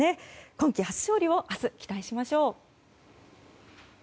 今季初勝利を明日、期待しましょう。